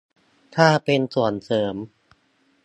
ถ้าเป็น "ส่วนเสริม"